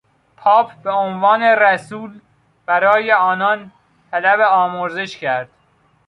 پاپ به عنوان رسول برای آنان طلب آمرزش کرد.